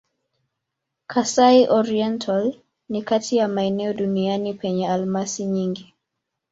Kasai-Oriental ni kati ya maeneo duniani penye almasi nyingi.